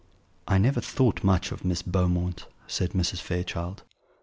"I never thought much of Miss Beaumont," said Mrs. Fairchild.